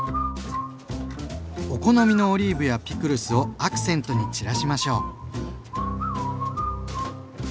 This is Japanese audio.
お好みのオリーブやピクルスをアクセントに散らしましょう。